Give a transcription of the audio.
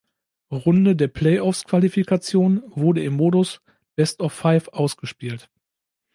Runde der Play-offs-Qualifikation wurde im Modus „Best-of-Five“ ausgespielt.